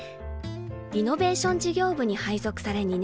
リノベーション事業部に配属され２年半。